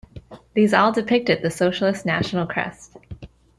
These all depicted the socialist national crest.